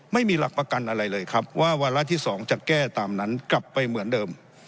ไม่มีหลักประกันอะไรเลยครับว่าวาระที่๒จะแก้ตามนั้นกลับไปเหมือนเดิม